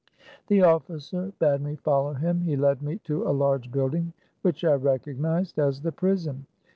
The officer bade me follow him. He led me to a large building which I recognized as the prison.